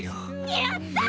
やったー！！